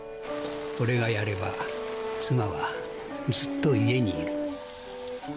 俺がやれば妻はずっと家にいる。